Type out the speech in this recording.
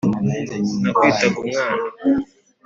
Nakwitaga umwana